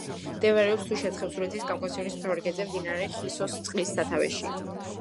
მდებარეობს თუშეთ-ხევსურეთის კავკასიონის მთავარ ქედზე, მდინარე ხისოს წყლის სათავეში.